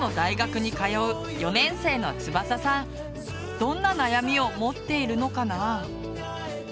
どんな悩みを持っているのかな？